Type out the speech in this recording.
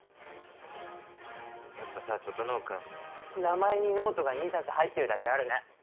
やっぱさ整君名前にノートが２冊入ってるだけあるね。